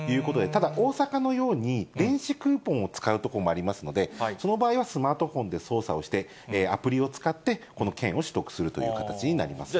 ただ、大阪のように、電子クーポンを使う所もありますので、その場合は、スマートフォンで操作をして、アプリを使って、この券を取得するという形になります。